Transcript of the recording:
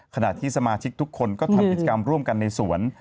ขณะที่สมาชิกทุกคนก็ทำกิจกรรมร่วมกันในสวน